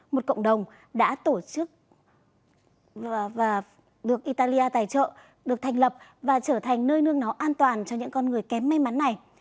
một cộng đồng đã tổ chức và được italia tài trợ được thành lập và trở thành nơi nương nó an toàn cho những con người kém may mắn này